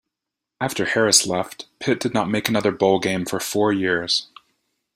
After Harris left, Pitt did not make another bowl game for four years.